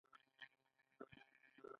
آیا د څپلیو په پښو کول د پښتنو دود نه دی؟